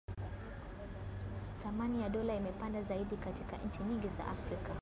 Thamani ya dola imepanda zaidi katika nchi nyingi za Afrika